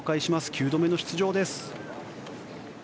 ９度目の出場です。